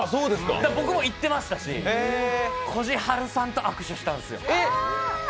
僕も行ってましたしこじはるさんと握手したんですよ。